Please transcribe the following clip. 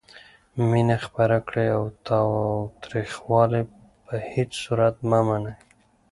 مینه خپره کړئ او تاوتریخوالی په هیڅ صورت مه منئ.